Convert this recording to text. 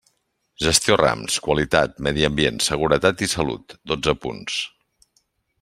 Gestió Rams, qualitat, medi ambiente, seguretat i salut: dotze punts.